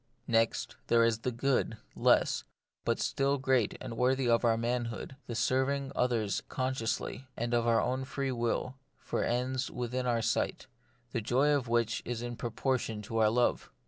Next, there is the good, less, but still great and worthy of our manhood, the serving others consciously, and of our own free will, for ends within our sight, the joy of which is in proportion to our love.